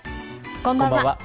こんばんは。